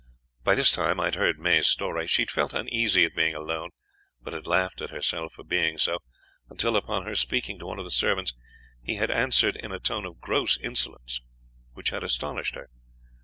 "By this time I had heard May's story. She had felt uneasy at being alone, but had laughed at herself for being so, until upon her speaking to one of the servants he had answered in a tone of gross insolence, which had astonished her.